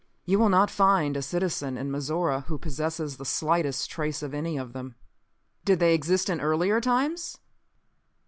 You will not find a citizen in Mizora who possesses the slightest trace of any of them. "Did they exist in earlier times?"